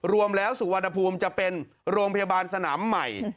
รวมแล้วสุวรรณภูมิจะเป็นโรงพยาบาลสนามใหม่